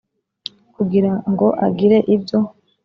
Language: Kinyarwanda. kugira ngo agire ibyo